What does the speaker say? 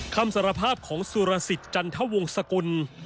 คำสารภาพของสุรสิทธิ์จันทวงศกุล